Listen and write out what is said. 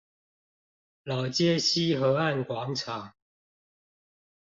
老街溪河岸廣場